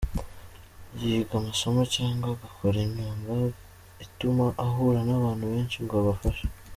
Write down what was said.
Yiga amasomo cyangwa agakora imyuga ituma ahura n’abantu benshi ngo abafashe .